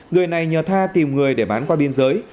người này nhờ tha tìm người để bán qua biên giới